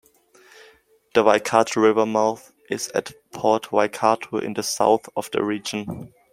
The Waikato River mouth is at Port Waikato in the south of the region.